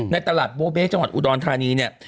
ในตลาดโบเบ๊จังหวัดอุดรธานีเนี่ย